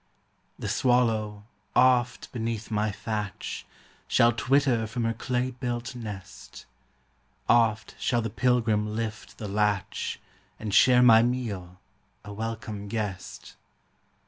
The swallow, oft, beneath my thatch, Shall twitter from her clay built nest; Oft shall the pilgrim lift the latch, And share my meal, a welcome guest.